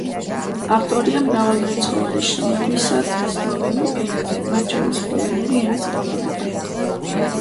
ავტორია მრავალრიცხოვანი შრომებისა სლოვენურ ენაზე, მათ შორის „სლოვენური ენის გრამატიკა“.